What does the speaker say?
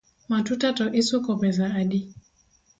Matuta to isuko pesa adi?